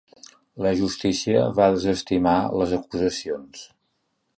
La justícia va desestimar les acusacions.